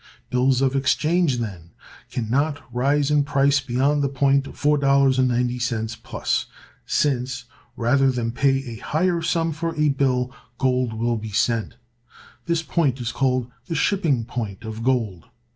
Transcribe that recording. Bills of exchange, then, can not rise in price beyond the point ($4.90 +) since, rather than pay a higher sum for a bill, gold will be sent. This point is called the "shipping point" of gold.